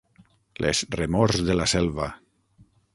Les remors de la selva.